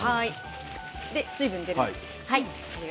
水分が出ます。